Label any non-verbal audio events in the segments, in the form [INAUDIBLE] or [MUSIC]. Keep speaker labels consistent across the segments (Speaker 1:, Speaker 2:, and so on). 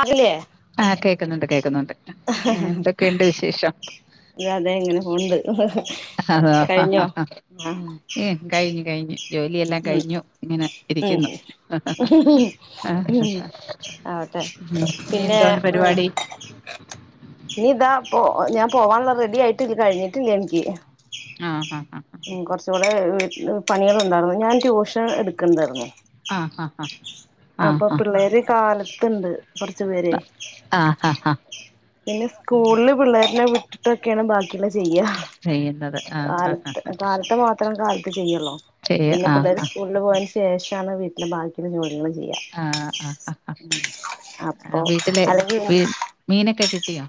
Speaker 1: അത് ല്ലേ
Speaker 2: ആഹ് കേക്കുന്നുണ്ട് കേക്കുന്നുണ്ട് ഏ, എന്തൊക്കെയുണ്ട് വിശേഷം
Speaker 1: യാ അതെ ഇങ്ങനെ പോണ് ണ്ട് കഴിഞ്ഞോ ആഹ്
Speaker 2: കൈഞ്ഞ് കൈഞ്ഞ് ജോലിയെല്ലാം കഴിഞ്ഞു ഇങ്ങനെ ഇരിക്കുന്നു
Speaker 1: ഉം ഉം ആവട്ടെ
Speaker 2: ഉം ഇനി
Speaker 1: പിന്നെ
Speaker 2: എന്തോണ്
Speaker 1: ഉം
Speaker 2: പരിപാടി
Speaker 1: ഇനി ഇതാ പോ ഞാൻ പോവാനുള്ള റെഡി ആയിട്ട് ഇത് കഴിഞ്ഞിട്ടില്ല എനിക്ക്‌
Speaker 2: ആഹ് ഹ ഹ ഹ
Speaker 1: മ് കൊറച്ചുകൂടെ പണികളുണ്ടായിരുന്നു ഞാൻ ട്യൂഷൻ എടുക്ക്ണ്ടാരുന്നു
Speaker 2: ആഹ് ഹാ ഹാ ആഹ്
Speaker 1: അപ്പൊ പിള്ളേര് കാലത്ത്ണ്ട് ക്കൊറച്ചു പേരെ
Speaker 2: ആഹ് ഹ ഹ
Speaker 1: ഇനി സ്കൂളില് പിള്ളേരനെ വിട്ടിട്ടൊക്കെയാണ് ബാക്കിയുള്ള ചെയ്യ
Speaker 2: ചെയ്യുന്നത് ആഹ് ഹാ ഹാ
Speaker 1: കാലത്ത് കാലത്തെ മാത്രം കാലത്ത് ചെയ്യുള്ളൂ
Speaker 2: ചെയ്യ
Speaker 1: പിന്നെ
Speaker 2: ആഹ്
Speaker 1: പിള്ളേര്
Speaker 2: ഹാ
Speaker 1: സ്കൂളിൽ പോയതിന് ശേഷാണ് വീട്ടിലെ ബാക്കിയുള്ള ജോലികൾ ചെയ്യ
Speaker 2: ആഹ് ആഹ് ഹ
Speaker 1: അപ്പൊ
Speaker 2: ഹ വീട്ടിലെ
Speaker 1: അല്ലെങ്കിൽ
Speaker 2: വീ മീനൊക്കെ കിട്ടിയോ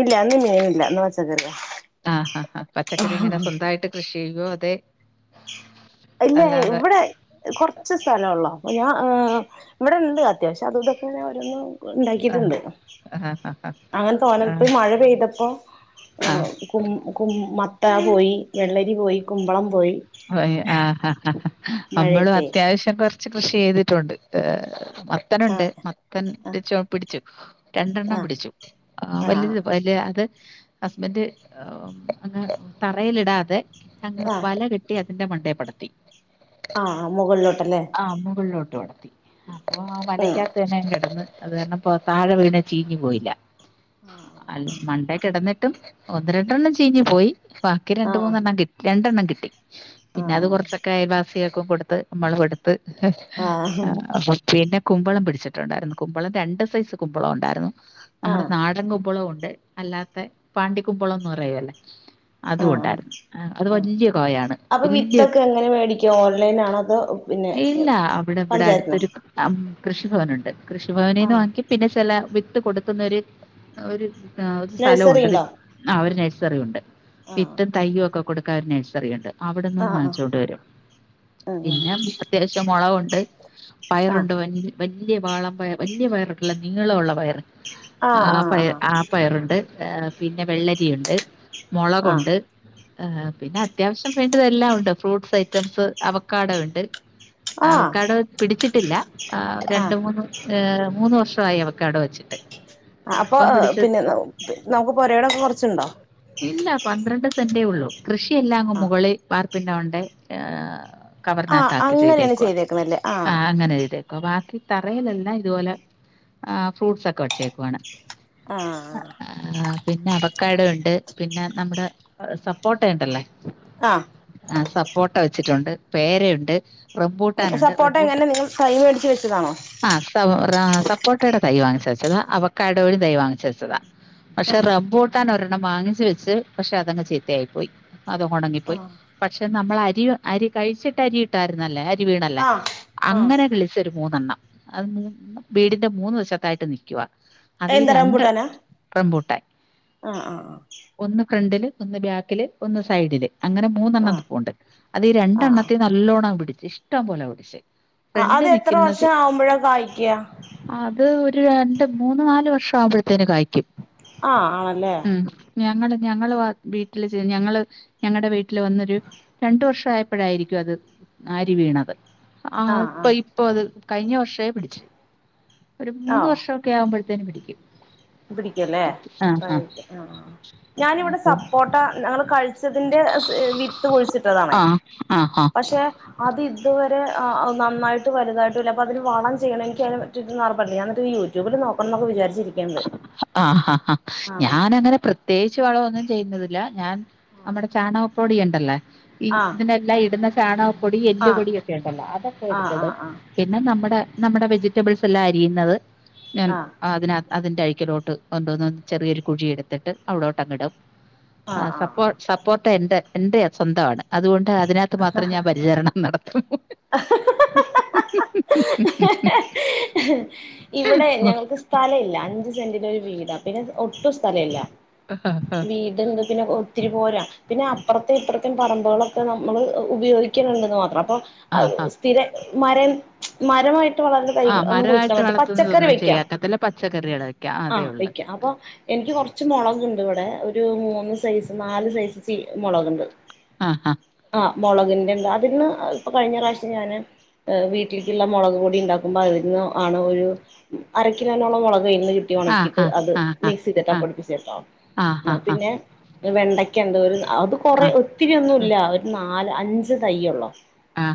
Speaker 1: ഇല്ല ഇന്ന് മീനില്ല ഇന്ന് പച്ചക്കറിയാ
Speaker 2: ആഹ് ആഹ് ആഹ് പച്ചക്കറി എങ്ങന സ്വന്തായിട്ട് കൃഷി ചെയ്യോ അതെ
Speaker 1: ഇല്ലാ
Speaker 2: അല്ലാതെ
Speaker 1: ഇവിടെ കുറച്ച് സ്ഥല ഉള്ളോ അപ്പൊ ഞാൻ ഏഹ് ഇവിടെ ഇണ്ട് അത്യാവശ്യം അത് ഇതൊക്കെ ഞാൻ ഒരോന്ന്
Speaker 2: ആഹ്
Speaker 1: ണ്ടാക്കിട്ടുണ്ട്
Speaker 2: ആഹ്
Speaker 1: അങ്ങനെ തോന്ന പ്പോ
Speaker 2: ആഹ്
Speaker 1: മഴ പെയ്തപ്പോ
Speaker 2: ആഹ്
Speaker 1: കും കും മത്ത പോയി വെള്ളരി പോയി കുമ്പളം പോയി
Speaker 2: പോയി ആഹ് ഹ ഹ ഹ നമ്മളും
Speaker 1: മഴയത്തെ
Speaker 2: അത്യാവശ്യം കൊർ കൊറച്ച് കൃഷി ചെയ്തിട്ടുണ്ട് ഏഹ് മത്തനുണ്ട്
Speaker 1: ആഹ്
Speaker 2: മത്തൻ
Speaker 1: ആഹ്
Speaker 2: [UNINTELLIGIBLE] പിടിച്ചു രണ്ടെണ്ണം
Speaker 1: ആഹ്
Speaker 2: പിടിച്ചു ആഹ് വലുത് വലിയ അത് ഹസ്ബൻഡ് ഏഹ് ഇങ്ങനെ തറയിലിടാതെ അങ്ങ്
Speaker 1: ആഹ്
Speaker 2: വല കെട്ടി കെട്ടി അതിന്റെ മണ്ടേ പടർത്തി,
Speaker 1: ആഹ് മുകളിലോട്ടല്ലേ
Speaker 2: ആഹ് മുകളിലോട്ട് പടർത്തി അപ്പൊ ആഹ്
Speaker 1: ഉം
Speaker 2: വലയ്ക്കാകത്ത് തന്നെ കെടന്ന് അത് കാരണം അപ്പോ താഴെ വീണ് ചീഞ്ഞു പോയില്ല അല്ല
Speaker 1: ആഹ്
Speaker 2: മണ്ടേ കെടന്നിട്ടും ഒന്ന് രണ്ടെണ്ണം ചീഞ്ഞ് പോയി ബാക്കി രണ്ട്
Speaker 1: ആഹ്
Speaker 2: മൂന്നെണ്ണം കി രണ്ടെണ്ണം കിട്ടി പിന്നെ അത് കൊറച്ചൊക്കെ ആയപ്പ പൈസിയൊക്കെ കൊടുത്ത് നമ്മളും എടുത്ത്
Speaker 1: ആഹ്
Speaker 2: പിന്നെ കുമ്പളം പിടിച്ചിട്ടുണ്ടായിരുന്നു കുമ്പളം രണ്ട് സൈസ് കുമ്പളം ഉണ്ടായിരുന്നു നമ്മടെ
Speaker 1: ആഹ്
Speaker 2: നാടൻ കുമ്പളവും ഉണ്ട് അല്ലാത്തെ പാണ്ടി കുമ്പളംന്ന് പറയല്ലേ അതും
Speaker 1: ആഹ്
Speaker 2: ഉണ്ടായിരുന്നു ഏഹ് അത്
Speaker 1: ആഹ്
Speaker 2: വല്യ കായാണ്
Speaker 1: അപ്പൊ
Speaker 2: വലിയ
Speaker 1: വിത്തൊക്കെ എങ്ങനെ മേടിക്കുവാ ഓൺലൈനാണോ അതോ പിന്നെ ഏഹ് പഞ്ചായത്ത്ന്നോ
Speaker 2: ആഹ് കൃഷിഭവനുണ്ട് കൃഷിഭവനിന്ന്
Speaker 1: ആഹ്
Speaker 2: വാങ്ങിക്കും പിന്നെ ചെല വിത്ത് കൊടുക്കുന്നോര് ഒരു ആഹ് ഒരു
Speaker 1: നഴ്സറി
Speaker 2: സ്ഥലവുണ്ട് വി
Speaker 1: ഉണ്ടോ
Speaker 2: ആഹ് ഒരു നഴ്സറി ഉണ്ട്
Speaker 1: ആഹ്
Speaker 2: വിത്തും തയ്യൊക്കെ കൊടുക്കാൻ ഒര് നയ്സറിയുണ്ട് അവ്ട്ന്നും
Speaker 1: ആഹ്
Speaker 2: വങ്ങിച്ചോണ്ട് വരും
Speaker 1: ആഹ്
Speaker 2: പിന്നെ അത്യാവിശ്യം മൊളകുണ്ട്
Speaker 1: ആഹ്
Speaker 2: പയറുണ്ട് വൻ വല്യ വാളംപയർ വല്യ പയറുണ്ടല്ലോ നീളമുള്ള പയറ് ആഹ് പയറ് ആഹ് പയറുണ്ട്, ഏഹ് പിന്നെ വെള്ളെരി ഉണ്ട്
Speaker 1: ആഹ്
Speaker 2: മൊളകുണ്ട് ഏഹ് പിന്നെ അത്യാവിശ്യം വേണ്ടത് എല്ലാം ഉണ്ട് ഫ്രൂട്ട്സ് ഐറ്റംസ് അവക്കാഡോ ഇണ്ട്
Speaker 1: ആഹ്
Speaker 2: അവക്കാഡോ പിടിച്ചിട്ടില്ല രണ്ട്
Speaker 1: ആഹ്
Speaker 2: മൂന്ന് ഏഹ് മൂന്ന് വർഷമായി അവക്കാഡോ വെച്ച്
Speaker 1: അപ്പൊ പിന്നെ [UNINTELLIGIBLE] നമുക്ക് പൊരയിടൊക്കെ കൊറച്ച്ണ്ടോ
Speaker 2: ഇല്ല പന്ത്രണ്ട് സെന്റേ ഒള്ളൂ കൃഷിയെല്ലാം അങ്ങ് മൂ
Speaker 1: ആഹ്
Speaker 2: വാർപ്പിന്റെ മണ്ടേ ഏഹ്
Speaker 1: ആഹ്
Speaker 2: കവറിനകത്താക്കി
Speaker 1: അങ്ങനെയാണ്
Speaker 2: ചെയ്തേക്കുവാ
Speaker 1: ചെയ്തേക്കുന്നല്ലേ
Speaker 2: ആഹ് അങ്ങനെ ചെയ്തേ ബാക്കി തറയിലെല്ലാം ഇതുപോലെ ഏഹ് ഫ്രൂട്ട്സൊക്കെ വെച്ചേക്കുവാണ്.
Speaker 1: ആഹ് ആഹ്
Speaker 2: ആഹ് പിന്നെ അവക്കാഡോ ഇണ്ട് പിന്നെ നമ്മുടെ ഏഹ് സപ്പോട്ട ഉണ്ടല്ലാ
Speaker 1: ആഹ്
Speaker 2: ആഹ് സപ്പോട്ട വെച്ചിട്ടുണ്ട് പേരയുണ്ട്. റംബൂട്ടാനുണ്ട്
Speaker 1: സപ്പോട്ട എങ്ങനെ നിങ്ങള് തൈ മേടിച്ച് വെച്ചതാണോ?
Speaker 2: ആഹ് സവോ റ സപ്പോട്ടയുടെ തൈ വാങ്ങിച്ച് വെച്ചതാ, അവക്കാഡോയുടെ തൈ വാങ്ങിച്ച് വെച്ചതാ പക്ഷെ
Speaker 1: ആഹ്
Speaker 2: റബ്ബൂട്ടാൻ ഒരെണ്ണം വാങ്ങിച്ച് വെച്ച് പക്ഷെ അതങ്ങ് ചീത്തയായി പോയി അത്കൊ പോയ്,
Speaker 1: ആഹ്
Speaker 2: പക്ഷെ ന്നമ്മള് അരി അരി കഴിച്ച്ട്ട് അരി ഇട്ടായിരുന്നല്ലേ അ [UNINTELLIGIBLE] വീണല്ലേ
Speaker 1: ആഹ് ആഹ്
Speaker 2: അങ്ങനെ കിളി ച്ചൊരു മൂന്നെണ്ണം അത് വീടിന്റെ മൂന്ന് വശത്തായിട്ട് നിക്കുവാ അതീ
Speaker 1: എന്താ
Speaker 2: രണ്ട്
Speaker 1: റംബൂട്ടാനാ
Speaker 2: റംമ്പൂട്ടാൻ.
Speaker 1: ആഹ് ആഹ്
Speaker 2: ഒന്ന് ഫ്രണ്ടില്, ഒന്ന് ബാക്കില്, ഒന്ന് സൈഡില് അങ്ങനെ മൂന്നെണ്ണം
Speaker 1: ആഹ്
Speaker 2: നിപ്പുണ്ട് അതീ
Speaker 1: ആഹ്
Speaker 2: രണ്ടെണ്ണത്തിന ല്ലോണം പിടിച്ച് ഇഷ്ട്ടം പോലെ പിടിച്ച്
Speaker 1: ആഹ്
Speaker 2: ഫ്രണ്ട്
Speaker 1: അത് എത്ര
Speaker 2: നിൽക്കുന്നത്
Speaker 1: വർഷം ആവുമ്പഴാ കായ്ക്കാ?
Speaker 2: അത് ഒര്, രണ്ട്, മൂന്ന് നാല് വർഷം ആവുമ്പോഴ്ത്തേനും കാഴ്ക്കും
Speaker 1: ആഹ് ആണല്ലേ.
Speaker 2: ഞങ്ങള് ഞങ്ങള് വാ വീട്ടില് ചെയ്യും ഞങ്ങള് ഞങ്ങടെ വീട്ടില് വന്നൊരു രണ്ടു വർഷ ആഴപ്പളായിരിക്കും അത് ആര് വീണത് ആഹ് ഇപ്പ, ഇപ്പൊ അത് കഴിഞ്ഞ വർഷേ പിടിച്ച് ഒര് മൂന്ന്
Speaker 1: ആഹ്
Speaker 2: വർഷം ഒക്കെ ആവുമ്പഴ്ത്തേനും പിടിക്കും.
Speaker 1: പിടിക്കല്ലേ
Speaker 2: ആ
Speaker 1: [UNINTELLIGIBLE]
Speaker 2: ആ
Speaker 1: അഹ് ആഹ്
Speaker 2: ആ
Speaker 1: ഞാനിവടെ
Speaker 2: പി-
Speaker 1: സപ്പോട്ട ഞങ്ങള് കഴി ച്ചതിന്റെ സ് വിത്ത് കുഴിച്ചിട്ടതാണ്
Speaker 2: ആ ആ ആ
Speaker 1: പഷെ അത് ഇതുവരെ ആഹ് നന്നായിട്ട് വലുതായിട്ടുംല്ല അപ്പതിന് വളം ചെയ്യണെങ്കി എനിക്കതിനെ പറ്റിയൊന്നു [UNINTELLIGIBLE] ഞാൻ എന്നിട്ട് യൂട്യൂ യൂട്യൂബില് നോക്കണന്നൊക്കെ വിചാച്ചിരിക്ക്ണ്ട്.
Speaker 2: ആഹ് ഞാനങ്ങനെ പ്രത്യേകിച്ച് വളവൊന്നും ചെയ്യുന്നുവില്ല ഞാൻ നമ്മടെ ചാണകപൊടി ഇണ്ടല്ലേ ഈ
Speaker 1: ആഹ്
Speaker 2: ഇതിനെല്ലാം ഇടുന്ന ചാണ പൊടി എല്ല്
Speaker 1: ആഹ്
Speaker 2: പൊടിയൊക്കെ ഒണ്ടല്ലോ അതൊക്കെ
Speaker 1: ആഹ്
Speaker 2: എട്ത്തിടും.
Speaker 1: ആഹ്
Speaker 2: പിന്നെ നമ്മടെ, നമ്മടെ വെജിറ്റബിൾസ് എല്ലാം അരിയുന്നത് ഞാൻ
Speaker 1: ആഹ് ആഹ്
Speaker 2: അതിനാ അതിന്റെ അഴിക്കിലോട്ട് കൊണ്ടോന്ന് ചെറിയൊരു കുഴി എടുത്തിട്ട് അവിടോട്ടങ്ങിടും. ആ
Speaker 1: ആഹ് ആഹ്
Speaker 2: സപ്പോ
Speaker 1: ആഹ്
Speaker 2: സപ്പോർടാ എന്റെ എന്റെ സ്വന്താണ് അതുകൊണ്ട് അതിനാത്ത് മാത്രം ഞാൻ പരിചരണം നട ത്തു
Speaker 1: ഇവടെ ഞങ്ങൾക്ക് സ്ഥലില്ല അഞ്ച് സെന്റില് ഒരു വീടാ പിന്നെ ഒട്ടും സ്ഥലില്ല വീ തിണ്ട് പിന്നെ ഒത്തിരി പോരാ, പിന്നെ അപ്പർത്തെ ഇപ്പർത്തേം പറമ്പുകളൊക്കെ നമ്മള് ഉപയോഗിക്കിണിണ്ട്ന്ന് മാത്രം, അപ്പൊ അഹ്
Speaker 2: ആഹാ.
Speaker 1: സ്ഥിര മരം മരമായ് ട്ട് വളർന്ന തൈക
Speaker 2: ആഹ്
Speaker 1: ഒന്നും കുഴ്‌ചിടാൻ
Speaker 2: മരമായിട്ട്
Speaker 1: പറ്റില്ല പച്ചക്കറി
Speaker 2: വളർത്തുന്നതൊന്നും
Speaker 1: വെക്കാം,
Speaker 2: ചെയ്യാക്കത്തില്ല. പച്ചക്കറികള് വെക്കാം അതേ
Speaker 1: ആഹ്
Speaker 2: ഉള്ളൂ.
Speaker 1: വെക്കാം, അപ്പൊ എനിക്ക് കൊർച്ച് മൊളക്ണ്ട് ഇവടെ ഒരു മൂന്ന് സയ്‌സ് നാല് സയ്‌സ് ചി മൊളക്ണ്ട്.
Speaker 2: അഹ്, അഹ്
Speaker 1: അഹ് മൊളകിന്റെണ്ട് അതിന്ന് ഇപ്പൊ കഴിഞ്ഞ പ്രാവിശ്യം ഞാന് ഏഹ് വീട്ടീൽക്കിള്ള മൊളക് പൊടി ഇണ്ടാക്കുമ്പോ അതിന്ന് ആണ് ഒരു അരക്കിനോളം മൊളക് അയ്‌ന്ന് കി കെയ്കി ഒണക്കിട്ട്
Speaker 2: ആഹാ!
Speaker 1: അത്
Speaker 2: ആഹാ!
Speaker 1: മിക്സ് ചെയ്തിട്ടാ
Speaker 2: ആ.
Speaker 1: പൊടിപ്പിച്ചേട്ടോ ആഹ്
Speaker 2: ആഹാഹാ!
Speaker 1: പിന്നെ വെണ്ടയ്ക്ക ഇണ്ട് ഒരു അത് കൊറെ
Speaker 2: ആഹാ!
Speaker 1: ഒത്തിരിയൊന്നുല്ല ഒരു നാല്, അഞ്ച് തൈയ്യൊള്ളോ.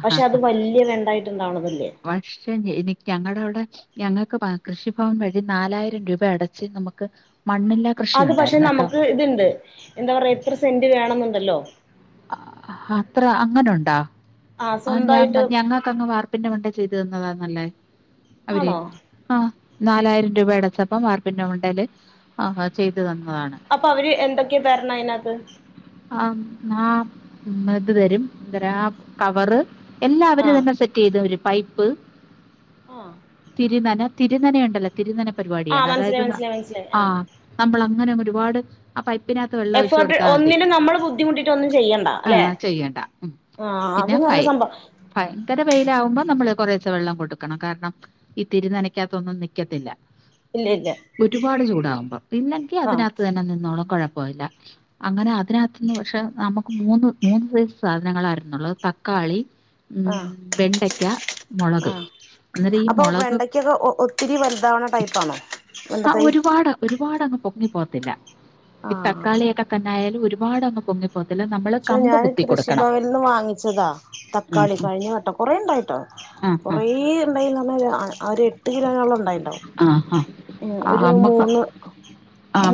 Speaker 1: പക്ഷെ അത് വല്ല്യ വെണ്ടായിട്ട് ഇണ്ടാവണതല്ലേ.
Speaker 2: പക്ഷെ എനി ഞങ്ങടെ അവടെ ഞങ്ങൾക്ക് ബ കൃഷിഭവൻ വഴി നാലായിരം രൂപ അടച്ച് നമക്ക് മണ്ണില്ല
Speaker 1: അത് പക്ഷെ നമക്ക് ഇത്ണ്ട് എന്താ പറയാ ഇത്ര സെന്റ് വേണെന്നുണ്ടല്ലോ?
Speaker 2: അത്ര അങ്ങനുണ്ടാ?
Speaker 1: ആഹ്
Speaker 2: അഞ
Speaker 1: സ്വന്തായിട്ട്
Speaker 2: ഞങ്ങ ക്കന്ന് വാർപ്പിന്റെ മണ്ടേ ചെയ്ത് തന്നതാന്നല്ലേ അവര്
Speaker 1: ആണോ
Speaker 2: ആഹ് നാലായിരം രൂപ അടച്ചപ്പം വാർപ്പിന്റെ മണ്ടേല് അഹ് ചെയ്ത് തന്നതാണ്.
Speaker 1: അപ്പൊ അവര് എന്തൊക്കെയാ തെരണേ അയ്നാത്ത്?
Speaker 2: ആ, ആ ഇത് തെരും എന്തരാ കവറ് എല്ലാ അവര്
Speaker 1: ആഹ്
Speaker 2: തന്നെ സെ റ്റ് ചെയ്ത് അവര് പൈപ്പ്
Speaker 1: ആഹ്
Speaker 2: തിരുനന തിരുനന ഉണ്ടല്ലോ തിരുനന
Speaker 1: ആഹ്
Speaker 2: പരിപാടിയാണ്
Speaker 1: മനസ്സിലായി
Speaker 2: അതായത്
Speaker 1: മനസ്സിലായി മനസ്സിലായി
Speaker 2: ആഹ് നമ്മൾ അങ്ങനെ അങ്ങ് ഒരുപാട് ആ പൈപ്പിനാത്ത് വെ
Speaker 1: എഫേർട്ട് ഒന്നിനും നമ്മള് ബുദ്ധിമുട്ടിട്ട് ഒന്നും ചെയ്യണ്ട
Speaker 2: ആ
Speaker 1: അല്ലെ
Speaker 2: ചെയ്യണ്ട ഉം.
Speaker 1: ആ അത്
Speaker 2: പിന്നെ
Speaker 1: നല്ല
Speaker 2: ഫയ
Speaker 1: സംഭ
Speaker 2: ഭയങ്കര വെയിലാവുമ്പോ നമ്മള് കുറേചെ വെള്ളം കൊടുക്കണം കാരണം ഈ തിരുനനയ്ക്കാത്തൊന്നും നിക്കത്തില്ല.
Speaker 1: ഇല്ല ഇല്ല
Speaker 2: ഒരുപാട് ചൂടാവുമ്പോ, പിന്നെങ്കി
Speaker 1: ആഹ്
Speaker 2: അതിനാത്ത് തന്നെ നിന്നോളും കൊഴപ്പോല്ല അങ്ങനെ അതിനകത്തന്ന് പക്ഷെ നമക്ക് മൂന്ന് മൂന്ന് സൈസ് സാധനങ്ങളായിരുന്നുള്ളത് തക്കാളി ഉം
Speaker 1: ആഹ്
Speaker 2: വെണ്ടയ്ക്ക മൊളക്
Speaker 1: ആഹ് അപ്പൊ വെണ്ടക്കൊക്കെ ഒ ഒത്തിരി വലുതാവണ ടൈപ്പാണോ വെണ്ട തൈ
Speaker 2: ഒരുപാടങ്ങ് പൊങ്ങിപ്പോത്തില്ല ഈ
Speaker 1: ആഹ്
Speaker 2: തക്കാളിയൊക്കെ തന്നായാലും ഒരുപാട് അങ്ങ് പൊങ്ങിപ്പോത്തില്ല നമ്മള്
Speaker 1: പക്ഷേ ഞാൻ കൃഷിഭവനിന്ന് വാങ്ങിച്ചതാ
Speaker 2: ഉം,
Speaker 1: തക്കാളി
Speaker 2: ഉം.
Speaker 1: കഴിഞ്ഞ വട്ടം കൊറേ ഉണ്ടായിട്ടൊ
Speaker 2: ആ, ആ,
Speaker 1: കൊറേ ഇണ്ടായീന്ന് പറഞ്ഞാ ആഹ് ഒരു എട്ട് കിലോനോളം ഉണ്ടായിണ്ടാവും
Speaker 2: ആ, ആ.
Speaker 1: ഉം
Speaker 2: ആ,
Speaker 1: ഒര്
Speaker 2: അമ്മക്ക്
Speaker 1: മൂന്ന്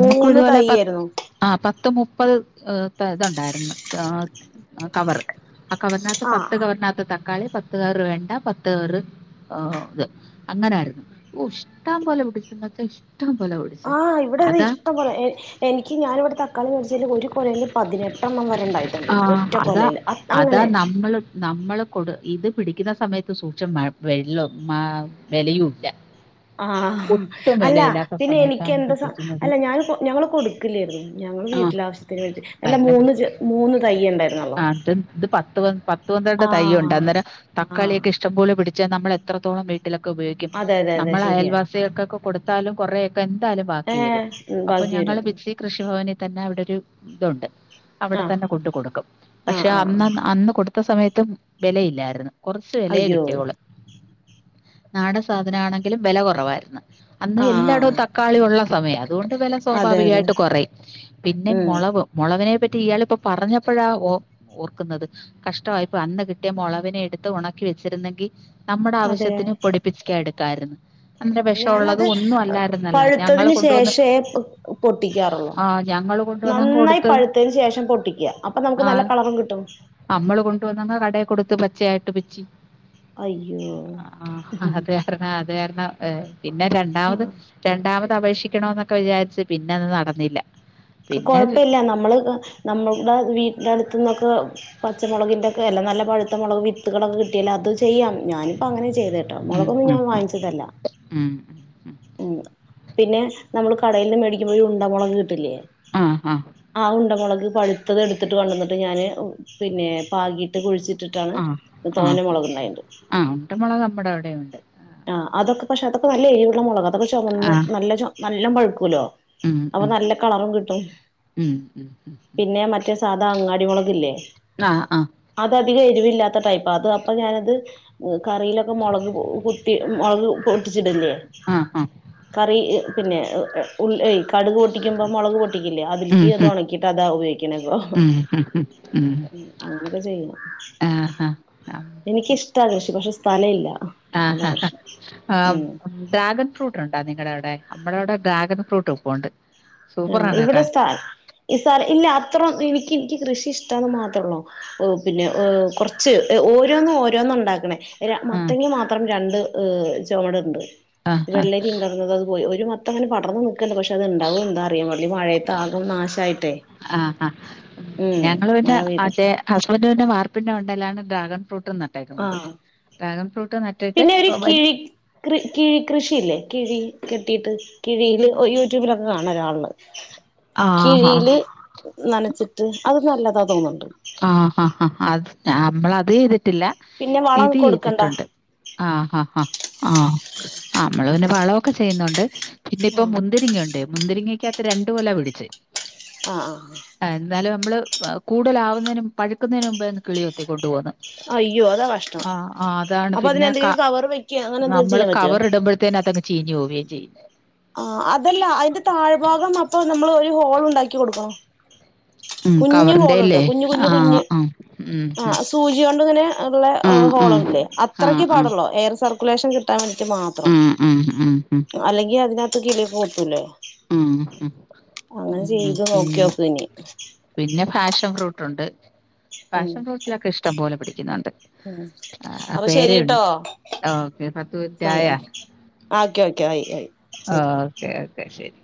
Speaker 1: മൂന്ന് തൈയ്യരോ
Speaker 2: ആഹ് പത്ത് മുപ്പത് ഇത്ണ്ടായിരുന്നു ആഹ് കവറ് ആഹ് കവറിനകത്ത്
Speaker 1: ആഹ്
Speaker 2: പത്ത് കവറിനത്ത്- തക്കാളി പത്തു കവര്‍ വെണ്ട പത്തു കവര്‍ ഇത് അങ്ങനായിരുന്നു ഇഷ്ടംപോല പിടിച്ചെന്നെച്ച ഇഷ്ടം പോല പിടിച്ച്
Speaker 1: ആഹ് ഇവിടെ ഇത്
Speaker 2: അതാ
Speaker 1: ഇഷ്ടം പോലെ എനിക്ക് ഞാനിവിടെ തക്കാളി പിടിച്ചതില് ഒരു കൊലേല് പതിനെട്ടെണ്ണം വരെണ്ടായിട്ട്ണ്ട് ഒറ്റ കൊലയില് അ അങ്ങനെ
Speaker 2: നമ്മള് നമ്മളും കൊടു ഇത് പിടിക്കുന്ന സമയത്ത് സൂക്ഷം മ വെലയും ഇല്ല
Speaker 1: ആഹ് അല്ല പിന്നെ എനിക്ക്
Speaker 2: സമയത്താണ്
Speaker 1: എന്ത് സം
Speaker 2: കിട്ടിക്കുന്നത്
Speaker 1: അല്ല ഞാൻ കൊ ഞങ്ങള് കൊടുക്കില്ലായിരുന്നു ഞങ്ങള്
Speaker 2: ആഹ്
Speaker 1: വീട്ടില് ആവശ്യ ത്തിന് വേണ്ടി
Speaker 2: അല്ല
Speaker 1: മൂന്ന് ചെ മൂന്ന് തൈ ഉണ്ടായിരുന്നല്ലോ
Speaker 2: ആത് ഇത് പത്ത് പത്ത് പന്ത്രണ്ട് തൈയ്യുണ്ട്
Speaker 1: ആഹ്
Speaker 2: അന്നേരം-
Speaker 1: ആഹ്
Speaker 2: തക്കാളിയൊക്കെ ഇഷ് ഇഷ്ടം പോലെ പിടിച്ചാ നമ്മള് എത്രത്തോളം വീട്ടിലൊക്കെ ഉപയോഗിക്കും
Speaker 1: അതെ അതെ അതെ
Speaker 2: നമ്മള്
Speaker 1: ശരിയാ
Speaker 2: അയൽവാസികൾക്കൊക്കെ കൊടുത്താലും കൊറേ ക്കെന്താലും ബാക്കി വരും
Speaker 1: ഏഹ്
Speaker 2: അപ്പൊ
Speaker 1: ബാക്കി
Speaker 2: ഞങ്ങള്
Speaker 1: വരും
Speaker 2: പിച്ചി കൃഷിഭവനി തന്നെ അവിടെ ഒരു ഇതുണ്ട്- അവിടെ
Speaker 1: ആഹ്
Speaker 2: തന്നെ കൊണ്ട് കൊടുക്കും പക്ഷെ
Speaker 1: ആഹ് ആഹ്
Speaker 2: അന്ന്
Speaker 1: ആഹ്
Speaker 2: അന്ന് കൊടുത്ത സമയത്തും വെലയില്ലാരുന്ന് കൊറച്ച് വെലേ
Speaker 1: അയ്യോ
Speaker 2: കിട്ടിയോള് നാടൻ സാധനആണെങ്കിലും വെലകൊ റവാര്ന്ന് അന്ന് എല്ലാടവും
Speaker 1: ആഹ്
Speaker 2: തക്കാളി ഒള്ള സമയാ അതോണ്ട് വെല
Speaker 1: അതെ അതെ
Speaker 2: സോഭാവികായിട്ട് കൊറയും പിന്നെ-
Speaker 1: ഉം
Speaker 2: മൊളകിനെ പറ്റി ഇയാളിപ്പൊ പറഞ്ഞപ്പഴാ ഓ ഓർക്കുന്നത് കഷ്ടമായിപ്പോയി അന്ന് കിട്ടിയ മൊളവിനെ എടുത്ത് ഉണക്കി വെച്ചിരുന്നെങ്കി- നമ്മുടെ
Speaker 1: അതെ
Speaker 2: ആവശ്യത്തിന് പൊടിപ്പിക്കാ എടുക്കാര്ന്ന് അന്ന്
Speaker 1: ഞാനത്
Speaker 2: വെഷഉള്ളതും ഒന്നും അല്ലാരുന്നല്ല ഞങ്ങള്
Speaker 1: പഴുത്തതിന്
Speaker 2: കൊണ്ടുവന്ന്
Speaker 1: ശേഷേ പൊട്ടിക്കാറുള്ളൂ
Speaker 2: ആഹ് ഞങ്ങള് കൊ
Speaker 1: നന്നായി പഴുത്തേന് ശേഷം പൊട്ടിക്ക അപ്പൊ നമുക്ക് നല്ല കളറും കിട്ടും
Speaker 2: അമ്മള് കൊണ്ട് വന്നങ്ങ് കടേ കൊടുത്ത് പച്ചയായിട്ട് പിച്ചി
Speaker 1: അയ്യോ
Speaker 2: അതാരന്നാ അതാരുന്നാ ഏഹ് പിന്നെ രണ്ടാമത് രണ്ടാമത് അപേക്ഷിക്കണോന്നൊക്കെ വിചാരിച്ച് പിന്നെ അത് നടന്നില്ല പിന്നെ
Speaker 1: കൊഴപ്പില്ല നമ്മള് നമ്മളുടെ വീട്ടി ന്റെ അടുത്തുന്നൊക്കെ- പച്ചമൊളകിന്റെക്കെല്ല നല്ല പഴുത്ത മൊളക് വിത്തുകളൊക്കെ കിട്ടിയാ അത് ചെയ്യാം ഞാനിപ്പങ്ങനെയാ ചെയ്തെ
Speaker 2: ഉം,
Speaker 1: മൊളകൊന്നും
Speaker 2: ഉം,
Speaker 1: ഞാൻ
Speaker 2: ഉം,
Speaker 1: വാങ്ങിച്ചതല്ല
Speaker 2: ഉം,
Speaker 1: ഉം പിന്നെ നമ്മള് കടയിന്ന് മേടിക്കുമ്പോഴ് ഉണ്ട മൊളക് കിട്ടില്ലേ
Speaker 2: ആഹ് ആഹ്
Speaker 1: ആഹ് ഉണ്ടമൊളക് പഴുത്തത് എടുത്തിട്ട് കൊണ്ടുവന്നിട്ട് ഞാന് പിന്നെ പാകീട്ട് കുഴിച്ചി ട്ടിട്ടാണ്
Speaker 2: ആ ആ
Speaker 1: തോന മൊളകുണ്ടായത്.
Speaker 2: ആ ഉണ്ടമുളക് നമ്മുടെ അവിടെ ഉണ്ട്
Speaker 1: ആഹ് അതൊക്കെ പക്ഷെ അതൊക്കെ നല്ല എരിവുള്ള മൊ ളകാ അതൊക്കെ ചൊമന്ന്
Speaker 2: ആ
Speaker 1: നല്ല ചൊ നല്ല പഴുക്കൂല്ലോ?
Speaker 2: ഉം
Speaker 1: അപ്പൊ
Speaker 2: ഉം
Speaker 1: നല്ല കളറും കി
Speaker 2: ഉം ഉം ഉം
Speaker 1: പിന്നെ മറ്റേ സാധാ അങ്ങാടി മൊളകില്ലേ?
Speaker 2: ആഹ്ആഹ്
Speaker 1: അതധികം എരിവില്ലാത്ത ടൈപ്പാ അത് അപ്പൊ ഞാനത്- കറീലൊക്കെ മൊളക് കുത്തി മുളക് പൊട്ടിച്ചിടില്ലേ?
Speaker 2: ആഹ് ആഹ്
Speaker 1: കറി പിന്നെ കടുക് പൊട്ടിക്കുമ്പോ മൊളക് പൊ ട്ടിക്കില്ലേ
Speaker 2: ഉം
Speaker 1: അതിൽക്ക് അത്
Speaker 2: ഉം
Speaker 1: ഒണക്കിയിട്ട് അതാ ഉപയോഗിക്ക്ണ ഇപ്പൊ
Speaker 2: ഉം ഉം ഉം ഉം.
Speaker 1: അങ്ങനെക്കെ ചെയ്യണം
Speaker 2: ആഹാ. ആ,
Speaker 1: എനിക്കിഷ്ട്ടാണ് കൃഷി പക്ഷെ സ്ഥലയില്ല.
Speaker 2: ആഹ് ഹാ ആഹ് ഡ്രാഗൻ ഫ്രൂ ട്ടുണ്ടാ നിങ്ങടെ അവിടെ? അമ്മടെ ഇവടെ ഡ്രാഗൻ ഫ്രൂട്ട് ഇപ്പൊ ഒണ്ട്.
Speaker 1: ആഹ് ഇവിടെ സ്ഥ ഈ സാ ഇല്ല അത്ര എനിക്ക് എനിക്ക് കൃഷി ഇഷ്ടാന്ന് മാത്രൊള്ളു ഓഹ് പിന്നെ കൊറച്ച് ഓരോന്നും ഓരോന്നും ഇണ്ടാക്ക്ണേ എല്ല
Speaker 2: ഉം.
Speaker 1: മത്തെങ്ങ മാത്രം രണ്ട് ഹ് ചൊമട്ണ്ട് വെള്ളരി ഇണ്ടർന്ന് അത് പോയി ഒരു മത്ത ത്തങ്ങനെ പടർന്ന് നിക്ക്ണ്ട് പക്ഷേ അത് ഇണ്ടാവു എന്തൊ അറിയാ വള്ളി മഴയത്ത് ആകെ നാശായിട്ടേ
Speaker 2: ആ ആ
Speaker 1: ഉം
Speaker 2: ഞങ്ങൾ പിന്നെ
Speaker 1: മഴ
Speaker 2: ആ
Speaker 1: പെയ്ത
Speaker 2: ചേ ഹസ്ബൻഡ് പറഞ്ഞു വാർപ്പിന്റെ മണ്ടേലാണ് ഡ്രഗൺ ഫ്രൂട്ടെ നട്ടേക്ക്ന്നത്
Speaker 1: ആഹ്
Speaker 2: ഡ്രാഗൺ ഫ്രൂട്ട് നട്ടിട്ട് ഓ വല്യ
Speaker 1: കൃ കിഴി കൃഷിയില്ലേ കിഴി കെട്ടിയിട്ട്? കിഴിയില് യൂട്യൂബിലൊക്കെ കാണാ ഒരാള്ടെ
Speaker 2: ആഹാ
Speaker 1: കിഴിയില് നനച്ചിട്ട് അത് നല്ലാതാ തോന്ന്ണ്ട്.
Speaker 2: ആഹ് ഹാ അത് നമ്മളത് ചെയ്തിട്ടില്ല
Speaker 1: പിന്നെ വളം
Speaker 2: ഇത്
Speaker 1: കൊടുക്കണ്ട
Speaker 2: ചെയ്തിട്ടുണ്ട്. ആഹ് ഹാ ഹ ആഹ് അമ്മള് പിന്നെ വളവൊക്കെ ചെയ്യുന്നുണ്ട്. പിന്നെ ഇപ്പൊ
Speaker 1: ആഹ്
Speaker 2: മുന്തിരിങ്ങയുണ്ട് മുന്തിരിങ്ങക്കകത്ത് രണ്ടു കൊല പിടിച്ച്
Speaker 1: ആഹ് ആഹ്
Speaker 2: ആഹ് എന്നാലും നമ്മള് കൂടുതലാവുന്നതിനും പഴക്കുന്നതിന് മുമ്പേ അങ്ങ് കിളികൊത്തി കൊണ്ടു പോന്ന്.
Speaker 1: അയ്യോ അതാ കഷ്ടം
Speaker 2: ആഹ് ആഹ് അതാണ്
Speaker 1: അപ്പൊ
Speaker 2: പിന്നെ
Speaker 1: അതിനെന്തെങ്കിലും കവർ വെക്കേ അങ്ങനെ എന്തെങ്കിലും
Speaker 2: നമ്മള്
Speaker 1: ചെയ്യാൻ
Speaker 2: ക
Speaker 1: പറ്റോ
Speaker 2: കവറിടുമ്പോഴത്തേനും അതങ്ങ് ചീഞ്ഞ് പോവേം ചെയ്യും.
Speaker 1: ആഹ് അതല്ല അതിന്റെ താഴ്ഭാഗം മൊത്തം നമ്മള് ഒരു ഹോളുണ്ടാക്കി കൊടുക്കണോ?
Speaker 2: ഉം
Speaker 1: കുഞ്ഞു ഹോള്ട
Speaker 2: കവറിന്റെല്ലേ
Speaker 1: കുഞ്ഞ് കുഞ്ഞ്
Speaker 2: ആഹ്
Speaker 1: കുഞ്ഞ്
Speaker 2: ആഹ് ഉം ഉം
Speaker 1: ആഹ് സൂചിയോണ്ട്ങ്ങനെ ള്ള
Speaker 2: ആഹ് ആഹ്
Speaker 1: ഹോളില്ലേ അത്രക്ക്
Speaker 2: ആഹ്
Speaker 1: പാടൊള്ളു എയർ സർ ക്കുലേഷൻ കിട്ടാൻ വേണ്ടിട്ട് മാത്രം
Speaker 2: ആഹ് ആഹ് ആഹ് ഉം ഉം ഉം
Speaker 1: അല്ലെങ്കി അതിനകത്ത് കിളിയൊക്കെ കൊത്തൂല്ലേ?
Speaker 2: ഉം
Speaker 1: അങ്ങനെ
Speaker 2: ഉം
Speaker 1: ചെയ്തു
Speaker 2: പിന്നെ
Speaker 1: നോക്കിയോക്ക് ഇനി
Speaker 2: പിന്നെ ഫാഷൻ ഫ്രൂട്ടുണ്ട്
Speaker 1: ഉം
Speaker 2: ഫാഷൻ ഫ്രൂട്ടിലൊക്കെ ഇഷ്ട്ടം പോലെ പിടിക്കുന്നുണ്ട്.
Speaker 1: ഉം
Speaker 2: ആ
Speaker 1: അപ്പൊ ശരിയ്ട്ടോ
Speaker 2: പേരയുണ്ട് ഓക്കെ പത്ത് മിനിറ്റ് ആയാ
Speaker 1: സമയം ഓക്കെ ഓക്കെ ആയി ആയി ശരി
Speaker 2: ആഹ് ഓക്കെ ഓക്കെ ശരി